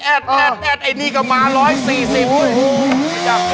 แอดแอดแอดไอ้นี่ก็มา๑๔๐คิง